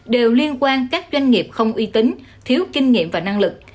đều liên quan các doanh nghiệp không uy tín thiếu kinh nghiệm và năng lực